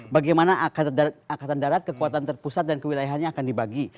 bagaimana angkatan darat kekuatan terpusat dan kewilayahannya akan dibagi